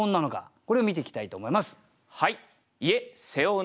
これを見ていきたいと思います。